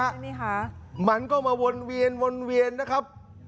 อันนี้ค่ะมันก็มาวนเวียนวนเวียนนะครับ